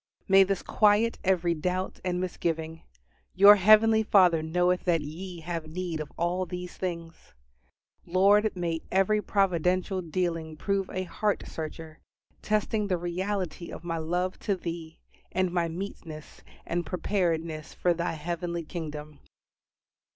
May this quiet every doubt and misgiving, "Your heavenly Father knoweth that ye have need of all these things." Lord, may every providential dealing prove a heart searcher, testing the reality of my love to Thee, and my meetness and preparedness for Thy heavenly kingdom.